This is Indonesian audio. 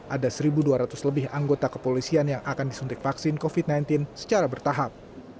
ada satu dua ratus lebih anggota kepolisian yang akan disuntik vaksin covid sembilan belas secara bertahap